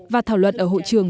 và thảo luận ở hội trường